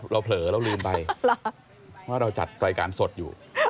เราพลระแล้วลืมไปหรอว่าเราจัดรายการสดอยู่